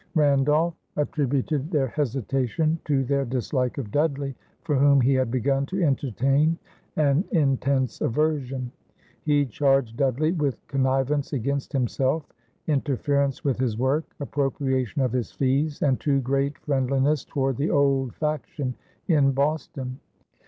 Randolph attributed their hesitation to their dislike of Dudley, for whom he had begun to entertain an intense aversion. He charged Dudley with connivance against himself, interference with his work, appropriation of his fees, and too great friendliness toward the old faction in Boston.